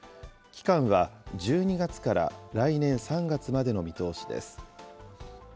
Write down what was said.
期間は１２月から来年３月までの見通しです。